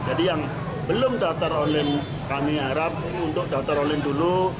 jadi yang belum daftar online kami harap untuk daftar online dulu